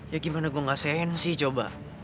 ya gimana gue gak sensi coba